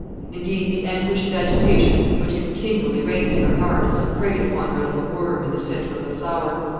] Indeed, the anguish and agitation which continually reigned in her heart preyed upon her like a worm in the centre of a flower.